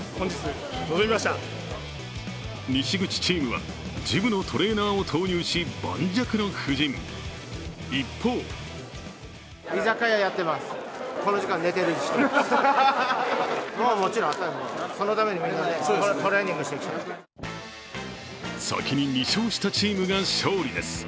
西口チームはジムのトレーナーを投入し、盤石の布陣、一方先に２勝したチームが勝利です。